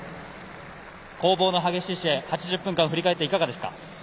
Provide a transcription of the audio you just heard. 攻防の激しい試合８０分間を振り返っていかがですか？